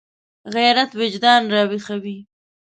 غیرت وجدان راویښوي